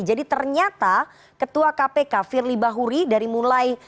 jadi ternyata ketua kpk firly bahuri dari mulai